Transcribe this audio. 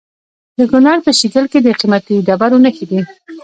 د کونړ په شیګل کې د قیمتي ډبرو نښې دي.